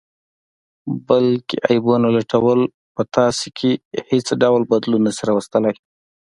بل کې عیبونه لټول په تاسې کې حیڅ ډول بدلون نه شي راوستلئ